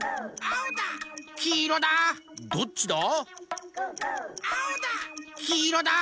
「どっちだ？」